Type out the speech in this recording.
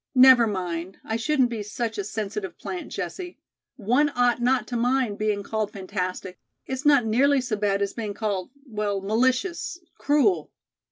Never mind, I shouldn't be such a sensitive plant, Jessie. One ought not to mind being called fantastic. It's not nearly so bad as being called well, malicious cruel.